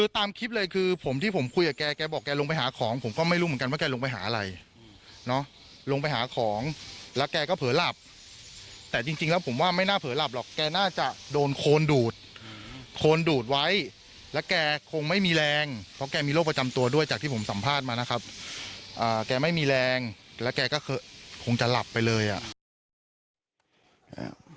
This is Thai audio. สัมภาษณ์มานะครับอ่าแกไม่มีแรงแล้วแกก็คือคงจะหลับไปเลยอ่ะ